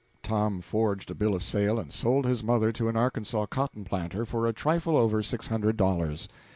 Tom forged a bill of sale and sold his mother to an Arkansas cotton planter for a trifle over six hundred dollars.